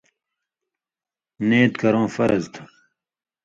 نیت کَرٶں فرض تھُو۔